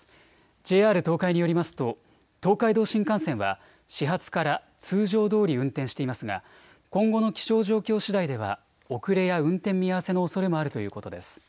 ＪＲ東海によりますと東海道新幹線は始発から通常どおり運転していますが今後の気象状況しだいでは遅れや運転見合わせのおそれもあるということです。